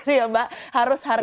harus menghargai keputusan yang ada